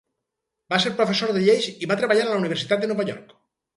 Va ser professor de lleis i va treballar a la Universitat de Nova York.